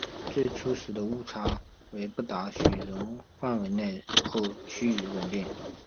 最初时的误差为不达到许容范围内后趋于稳定。